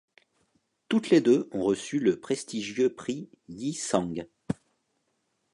Toutes les deux ont reçu le prestigieux prix Yi Sang.